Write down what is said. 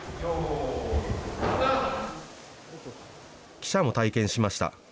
記者も体験しました。